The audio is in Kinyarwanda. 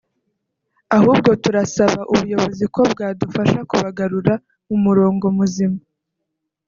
ahubwo turasaba ubuyobozi ko bwadufasha kubagarura mu murongo muzima